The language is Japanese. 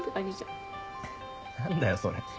何だよそれ。